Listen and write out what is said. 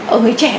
ở người trẻ